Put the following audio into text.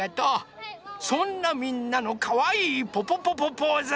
そんなみんなのかわいい「ポポポポポーズ」みてみよう！